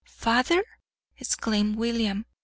"Father!" exclaimed William.